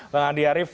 bang andi arief